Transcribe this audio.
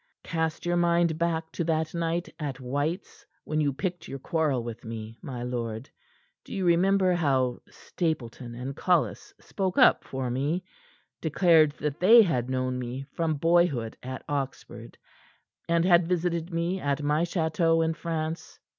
Cast your mind back to that night at White's when you picked your quarrel with me, my lord. Do you remember how Stapleton and Collis spoke up for me, declared that they had known me from boyhood at Oxford, and had visited me at my chateau in France?